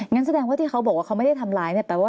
งั้นแสดงว่าที่เขาบอกว่าเขาไม่ได้ทำร้ายเนี่ยแปลว่า